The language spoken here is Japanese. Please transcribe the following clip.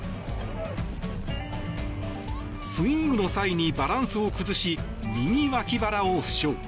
スイングの際にバランスを崩し右わき腹を負傷。